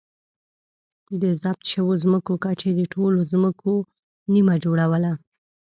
د ضبط شویو ځمکو کچې د ټولو ځمکو نییمه جوړوله